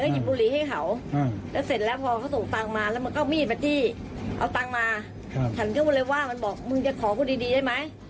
ฉันก็ไปเลยว่ามันบอกมึงจะขอกูดีได้ไหม